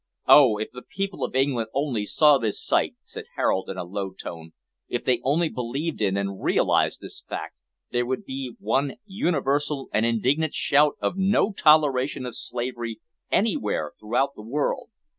"Oh! if the people of England only saw this sight!" said Harold, in a low tone; "if they only believed in and realised this fact, there would be one universal and indignant shout of `No toleration of slavery anywhere throughout the world!'"